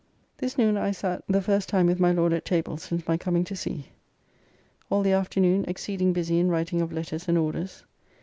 ] This noon I sat the first time with my Lord at table since my coming to sea. All the afternoon exceeding busy in writing of letters and orders.